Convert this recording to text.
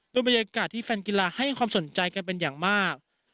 เป็นบรรยากาศที่แฟนกีฬาให้ความสนใจกันเป็นอย่างมาก